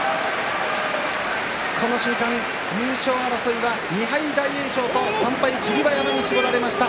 この瞬間、優勝争いは２敗大栄翔と３敗霧馬山に絞られました。